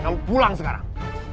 kamu pulang sekarang